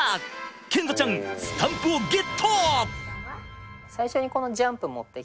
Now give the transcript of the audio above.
賢澄ちゃんスタンプをゲット！